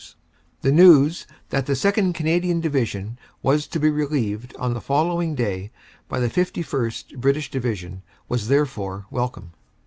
s. The news that the 2nd. Canadian Division was to be relieved on the follow ing day by the 51st. British Division was therefore welcome.